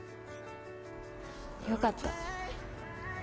よかった。